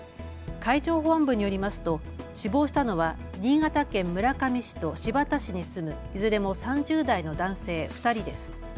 海上保安部によりますと死亡したのは新潟県村上市と新発田市に住むいずれも３０代の男性２人です。